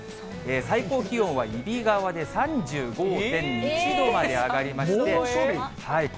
最高気温は揖斐川で３５．１度まで上がりまして。